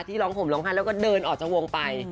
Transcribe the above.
ร้องห่มร้องไห้แล้วก็เดินออกจากวงไป